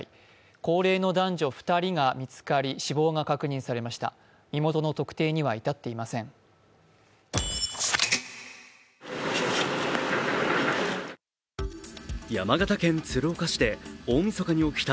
高齢の男女２人が見つかり、死亡が確認されました。